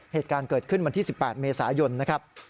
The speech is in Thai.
เหตุการณ์เกิดขึ้นวันที่๑๘เมษายนนะครับ